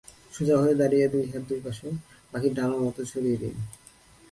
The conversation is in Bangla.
সোজা হয়ে দাঁড়িয়ে দুই হাত দুই পাশে পাখির ডানার মতো ছড়িয়ে দিন।